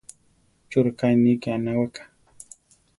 ¿Chú rʼeká iʼní ké anaweka?